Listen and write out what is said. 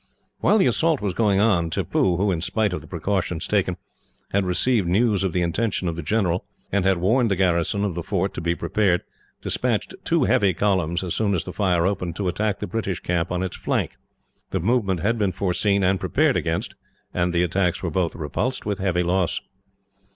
While the assault was going on, Tippoo who, in spite of the precautions taken, had received news of the intention of the general, and had warned the garrison of the fort to be prepared despatched two heavy columns, as soon as the fire opened, to attack the British camp on its flank. The movement had been foreseen and prepared against, and the attacks were both repulsed with heavy loss.